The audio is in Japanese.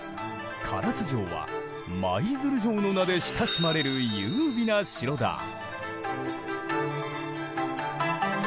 唐津城は舞鶴城の名で親しまれる優美な城だ。